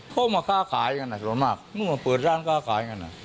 เขามาค้าขายกันส่วนมากมึงมาเปิดร้านค้าขายกัน